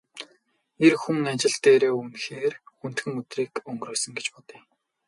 Эр хүн ажил дээрээ үнэхээр хүндхэн өдрийг өнгөрөөсөн гэж бодъё л доо.